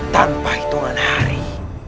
tanpa hitungan hari